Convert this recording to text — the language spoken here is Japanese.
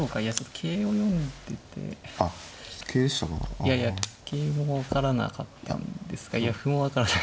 いやいや桂も分からなかったんですが歩も分からない。